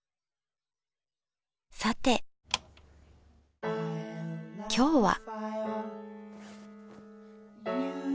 さて今日は？